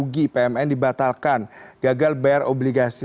kemudian kinerja rugi pmn dibatalkan gagal bayar obligasi